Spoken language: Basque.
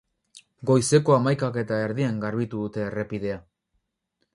Goizeko hamaikak eta erdian garbitu dute errepidea.